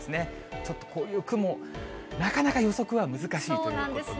ちょっとこういう雲、なかなか予測は難しいということで。